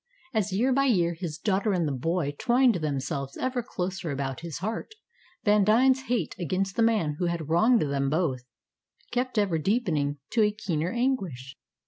As year by year his daughter and the boy twined themselves ever closer about his heart, Vandine's hate against the man who had wronged them both kept ever deepening to a keener anguish.